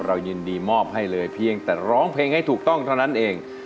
ยินดีมอบให้เลยเพียงแต่ร้องเพลงให้ถูกต้องเท่านั้นเอง